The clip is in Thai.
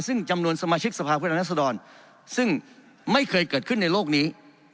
ซึ่งจำนวนสมาชิกสภาพผู้แทนรัศดรซึ่งไม่เคยเกิดขึ้นในโลกนี้